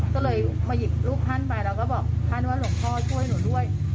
ก็เลยมาหยิบรูปท่านไปแล้วก็บอกท่านว่าหลวงพ่อช่วยหนูด้วย